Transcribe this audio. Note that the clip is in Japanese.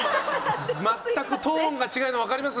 まったくトーンが違うのわかります？